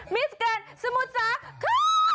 มิสแกรนด์สมุทรสาคือ